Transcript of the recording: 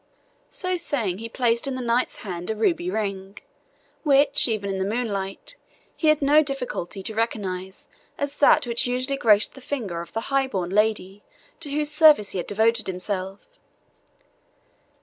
So saying, he placed in the knight's hand a ruby ring, which, even in the moonlight, he had no difficulty to recognize as that which usually graced the finger of the high born lady to whose service he had devoted himself.